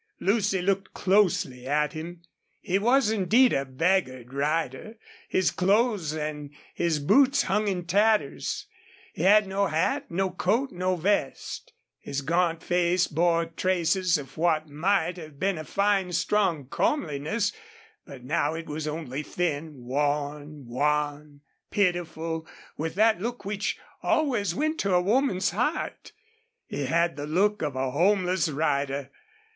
Lucy looked closely at him. He was indeed a beggared rider. His clothes and his boots hung in tatters. He had no hat, no coat, no vest. His gaunt face bore traces of what might have been a fine, strong comeliness, but now it was only thin, worn, wan, pitiful, with that look which always went to a woman's heart. He had the look of a homeless rider.